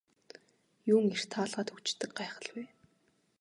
Юун эрт хаалгаа түгждэг гайхал вэ.